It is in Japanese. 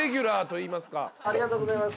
ありがとうございます。